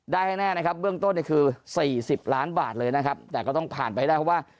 ให้แน่นะครับเบื้องต้นเนี่ยคือ๔๐ล้านบาทเลยนะครับแต่ก็ต้องผ่านไปให้ได้เพราะว่า